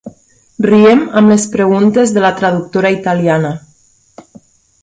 Riem amb les preguntes de la traductora italiana.